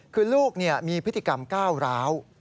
คือลูกมีพฤติกรรมก้าวร้าว